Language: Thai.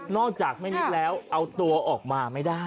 จากไม่นึกแล้วเอาตัวออกมาไม่ได้